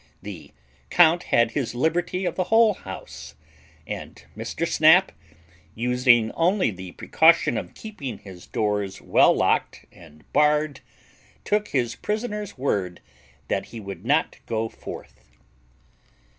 The count had his liberty of the whole house, and Mr. Snap, using only the precaution of keeping his doors well locked and barred, took his prisoner's word that he would not go forth.